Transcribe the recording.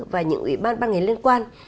và những ủy ban ban nghề liên quan